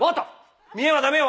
見えは駄目よ。